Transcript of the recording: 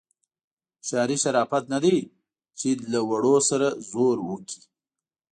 هوښیاري شرافت نه دی چې له وړو سره زور وکړي.